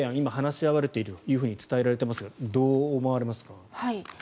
今、話し合われているといわれていますがどう思われますか？